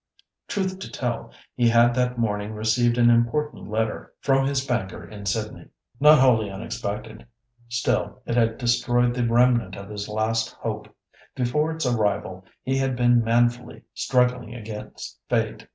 Truth to tell, he had that morning received an important letter from his banker in Sydney. Not wholly unexpected; still it had destroyed the remnant of his last hope. Before its arrival he had been manfully struggling against fate.